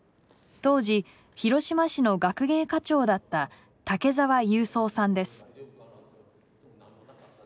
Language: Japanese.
当時広島市の学芸課長だった竹澤雄三さんです。